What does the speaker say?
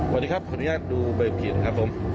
สวัสดีครับสวัสดีครับดูใบผิดครับผม